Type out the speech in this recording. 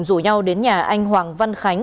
rủ nhau đến nhà anh hoàng văn khánh